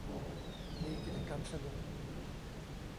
มีกิจกรรมสนุก